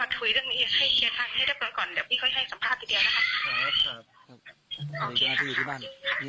เกี่ยวกับหน้าที่อยู่ที่บ้าน